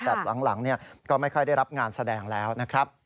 แต่หลังก็ไม่ค่อยได้รับงานแสดงแล้วนะครับ